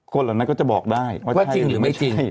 คนเหล่านั้นก็จะบอกได้ว่าใช่หรือไม่ใช่